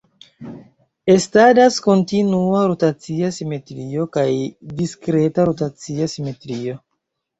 Estadas kontinua rotacia simetrio kaj diskreta rotacia simetrio.